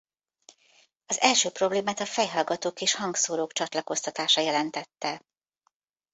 Az első problémát a fejhallgatók és hangszórók csatlakoztatása jelentette.